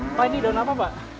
pak ini daun apa pak